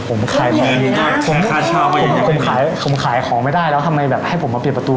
ผมขายของไม่ได้แล้วทำไมให้ผมมาเปลี่ยนประตู